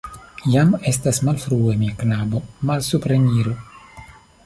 Jam estas malfrue, mia knabo, malsupreniru.